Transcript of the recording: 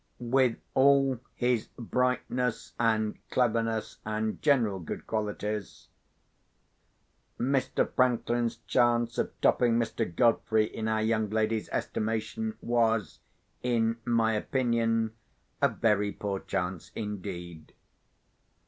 With all his brightness and cleverness and general good qualities, Mr. Franklin's chance of topping Mr. Godfrey in our young lady's estimation was, in my opinion, a very poor chance indeed.